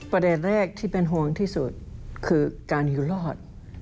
ประเด็นแรกที่เป็นห่วงที่สุดคือการอยู่รอด